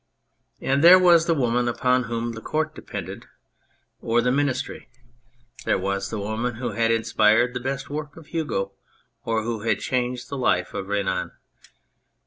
And there was the woman upon whom the Court depended, or 100 The Shadows the Ministry ; there was the woman who had inspired the best work of Hugo, or who had changed the life of Renan.